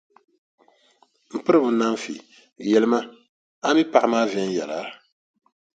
M piriba Nanfi, yɛlimi ma, a mi paɣa maa viɛnyɛla?